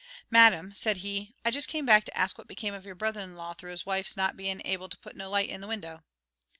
"Madam," said he, "I just came back to ask what became of your brother in law through his wife's not bein' able to put no light in the window?"